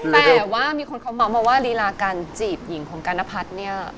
แต่ว่ามีคนเขาบอกว่าฬีราการจีบหญิงของกาณภัฏเนี่ย